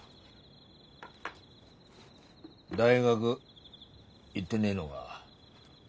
大学行ってねえのが？